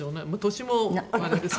年もあれですから。